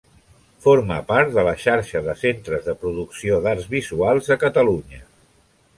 Forma part de la Xarxa de Centres de Producció d'Arts Visuals de Catalunya.